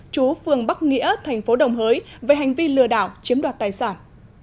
chú phường bắc nghĩa tp đồng hới về hành vi lừa đảo chiếm đoạt tài sản